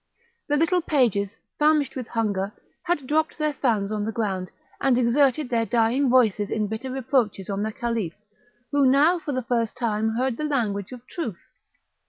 The little pages, famished with hunger, had dropped their fans on the ground, and exerted their dying voices in bitter reproaches on the Caliph, who now for the first time heard the language of truth.